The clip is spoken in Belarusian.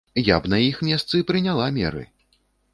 Я б на іх месцы прыняла меры.